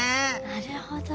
なるほど。